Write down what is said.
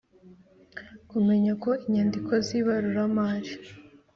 Kumenya ko inyandiko z ibaruramari